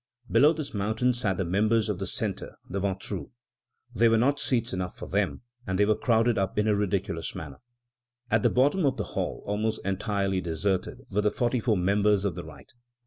Below this Mountain sat the members of the centre, the Ventrus. There were not seats enough for them, and they were crowded up in a ridiculous manner. At the bottom of the hall, almost entirely deserted, were the forty four members of the right.